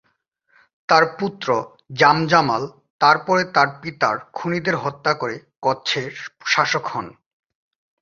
তার পুত্র জাম জামাল তারপরে তাঁর পিতার খুনিদের হত্যা করে কচ্ছের শাসক হন।